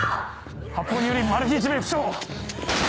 発砲によりマル被１名負傷。